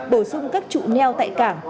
bổ sung các chủ neo tại cảng